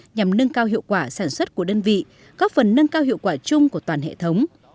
nhằm nâng cao hiệu quả sản xuất của đơn vị góp phần nâng cao hiệu quả chung của toàn hệ thống